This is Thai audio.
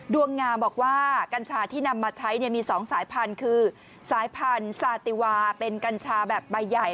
ดวงงามบอกว่ากัญชาที่นำมาใช้มี๒สายพันธุ์คือสายพันธุ์ซาติวาเป็นกัญชาแบบใบใหญ่